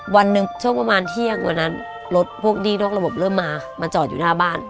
วันหนึ่งช่วงประมาณเที่ยงวันนั้นรถพวกหนี้นอกระบบเริ่มมามาจอดอยู่หน้าบ้าน